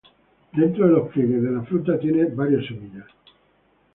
Dentro de los pliegues de la fruta tiene varias semillas.